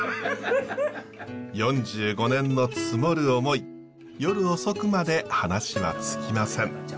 ４５年の積もる思い夜遅くまで話は尽きません。